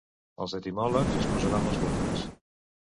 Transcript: Els etimòlegs es posaran les botes.